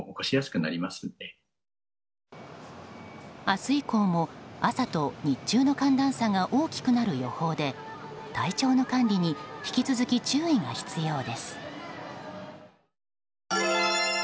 明日以降も朝と日中の寒暖差が大きくなる予報で体調の管理に引き続き注意が必要です。